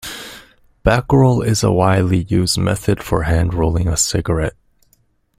Backroll is a widely used method for hand-rolling a cigarette.